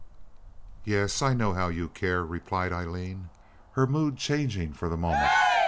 "Yes, I know how you care," replied Aileen, her mood changing for the moment.